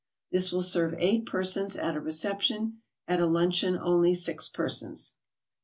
This will serve eight persons at a reception. At a luncheon only six persons.